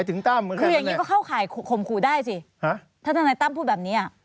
เเนี้ย